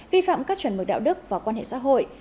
vi phạm các chuẩn mực đạo đức và quan hệ xã hội